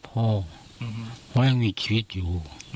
เพราะยังมีชีวิตอยู่